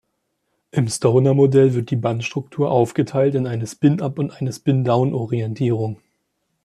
Im Stoner-Modell wird die Bandstruktur aufgeteilt in eine Spin-Up- und eine Spin-Down-Orientierung.